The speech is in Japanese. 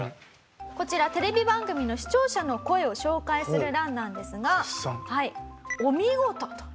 こちらテレビ番組の視聴者の声を紹介する欄なんですが。